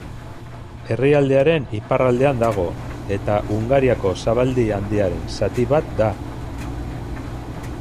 Herrialdearen iparraldean dago eta Hungariako zabaldi handiaren zati bat da.